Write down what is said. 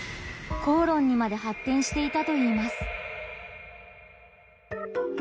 口論にまで発展していたといいます。